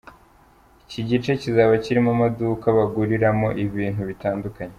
Iki gice kizaba kirimo amaduka baguriramo ibintu bitandukanye.